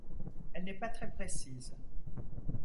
Elle n'est pas très précise.